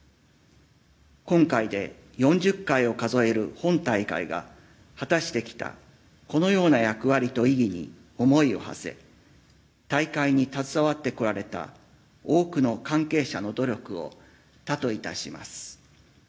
今回で四十回を数える本大会が果たしてきたこのような役割と意義に思いを馳せ大会に携わってこられた多くの関係者の努力を多といたします。